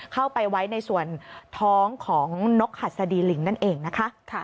เข้าไปไว้ในส่วนท้องของนกหัสดีลิงนั่นเองนะคะ